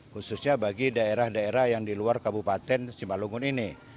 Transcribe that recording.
khususnya bagi daerah daerah yang di luar kabupaten simalungun ini